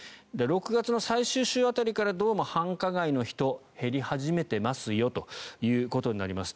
６月の最終週辺りからどうも繁華街の人が減り始めていますということになります。